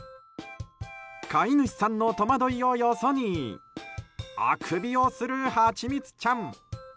飼い主さんの戸惑いをよそにあくびをする、はちみつちゃん。